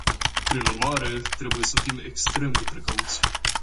Prin urmare, trebuie să fim extrem de precauți.